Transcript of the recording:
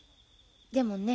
でもね